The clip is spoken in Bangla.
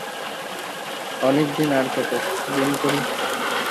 অনেক দিন আর কত, দিন কুড়ি।